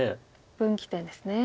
分岐点ですね。